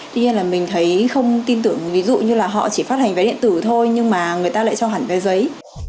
tuy nhiên là mình thấy không tin tưởng ví dụ như là họ chỉ phát hành vé điện tử thôi nhưng mà người ta lại cho hẳn vé giấy